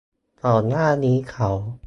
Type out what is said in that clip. ก่อนหน้านี้เขา